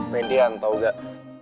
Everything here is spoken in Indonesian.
pendian tau gak